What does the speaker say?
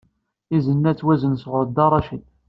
Izen-a ttwazen sɣur Dda Racid.